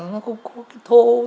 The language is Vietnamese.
nó không có cái thô nữa